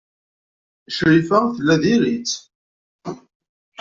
Crifa tella diri-tt.